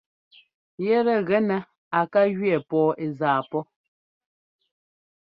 Yɛ́tɛ́ gɛ nɛ́ á ká jʉɛ pɔɔ ɛ́ zaa pɔ́.